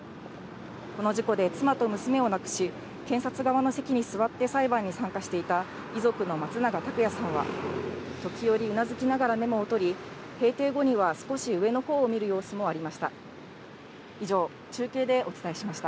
この事故で、妻と娘を亡くし、検察側の席に座って裁判に参加していた、遺族の松永拓也さんは、時折うなずきながらメモを取り、閉廷後には、少し上のほうを見る様子もありました。